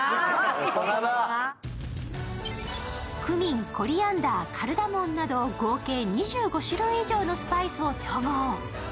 クミン、コリアンダー、カルダモンなど合計２５種類以上のスパイスを調合